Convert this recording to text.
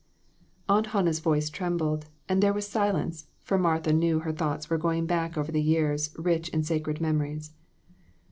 Aunt Hannah's voice trembled, and there was silence, for Martha knew her thoughts were going back over the years rich in sacred memories.